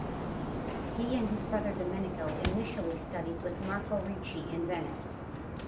He and his brother Domenico initially studied with Marco Ricci in Venice.